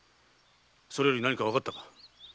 それより何かわかったか？